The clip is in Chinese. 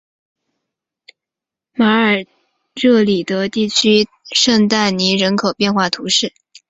马尔热里德地区圣但尼人口变化图示